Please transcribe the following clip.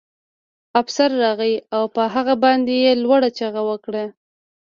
افسر راغی او په هغه باندې یې لوړه چیغه وکړه